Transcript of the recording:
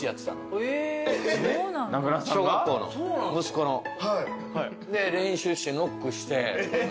名倉さんが？小学校の息子の。で練習してノックして。